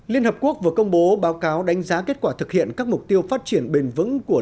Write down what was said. liên hợp quốc vừa công bố báo cáo đánh giá kết quả thực hiện các mục tiêu phát triển bền vững của